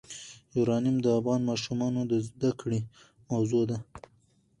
یورانیم د افغان ماشومانو د زده کړې موضوع ده.